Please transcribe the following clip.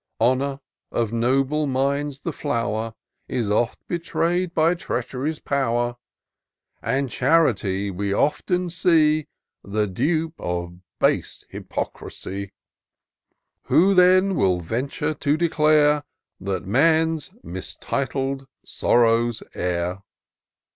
Honour, of noble minds the flow'r, Is oft betray 'd by Treachery's pow'r : IN SEARCH OF THE PICTURESQUE. 251 And Charity, we often see, The dupe of base Hypocrisy. '* Who, then, will venture to declare That man's mistitled sorrow's heir